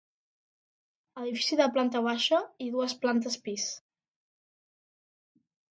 Edifici de planta baixa i dues plantes pis.